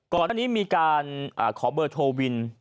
ก่อนอันนี้มีการขอเบอร์โทรวิน